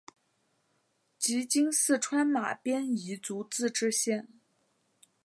即今四川马边彝族自治县。